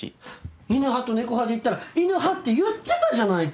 犬派と猫派でいったら犬派って言ってたじゃないか。